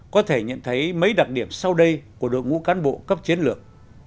có thể nhận thấy mấy đặc điểm sau đây của đội ngũ cán bộ cấp chiến lược